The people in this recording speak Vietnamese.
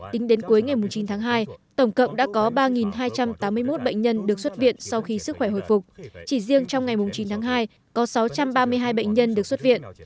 tính đến cuối ngày chín tháng hai tổng cộng đã có ba hai trăm tám mươi một bệnh nhân được xuất viện sau khi sức khỏe hồi phục chỉ riêng trong ngày chín tháng hai có sáu trăm ba mươi hai bệnh nhân được xuất viện